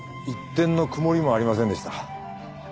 一点の曇りもありませんでした。